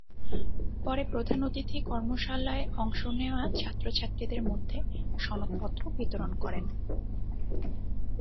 পরে প্রধান অতিথি কর্মশালায় অংশ নেওয়া ছাত্র-ছাত্রীদের মধ্যে সনদপত্র বিতরণ করেন।